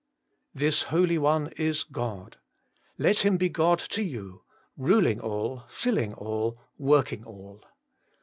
4. This Holy One is God. Let Him be God to you ; ruling all, filling all, working all.